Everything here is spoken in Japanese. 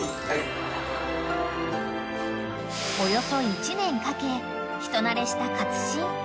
［およそ１年かけ人なれした勝新］